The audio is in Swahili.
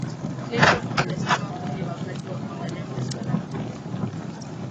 clinton amesema huu ni wakati wa kuangalia masuala muhimu